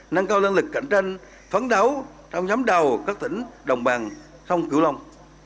nâng cao lân lực cạnh tranh phấn đấu trong nhóm đầu các tỉnh đồng bàn sông cửu long